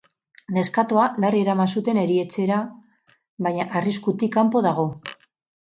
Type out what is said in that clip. Neskatoa larri eraman zuten erietxera, baina arriskutik kanpo dago.